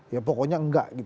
ya pokoknya enggak